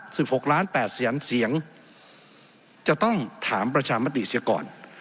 หกล้านแปดแสนเสียงจะต้องถามประชามติเสียก่อน